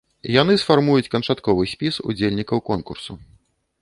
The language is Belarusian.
Яны сфармуюць канчатковы спіс удзельнікаў конкурсу.